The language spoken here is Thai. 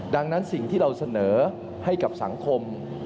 ดังนั้นสิ่งที่เราเสนอให้กับสังคม